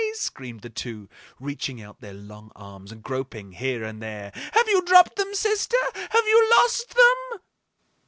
screamed the two, reaching out their long arms and groping here and there. "Have you dropped them, sister? Have you lost them?"